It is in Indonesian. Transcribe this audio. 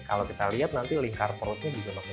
kalau kita lihat nanti lingkar perutnya gitu makin nuestra